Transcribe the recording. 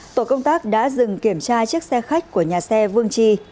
tổ công tác đã dừng kiểm tra chiếc xe khách của nhà xe vương chi